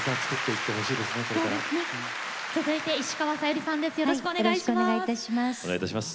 続いては石川さゆりさんです。